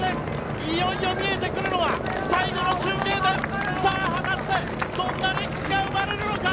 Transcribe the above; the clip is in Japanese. いよいよ見えてくるのは最後の中継点さあ、果たしてどんな歴史が生まれるのか！